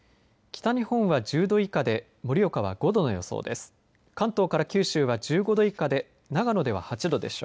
北日本は１０度以下で盛岡は５度の予想です。